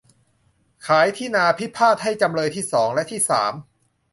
ขายที่นาพิพาทให้จำเลยที่สอง และที่สาม